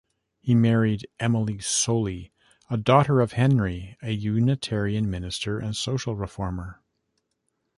He married Emily Solly, a daughter of Henry, a Unitarian minister and social reformer.